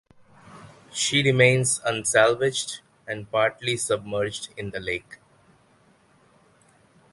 She remains unsalvaged and partly submerged in the lake.